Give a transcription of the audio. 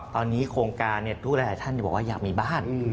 ตอนนี้โครงการทุกรายละเนี่ยท่านบอกว่าอยากมีบ้าน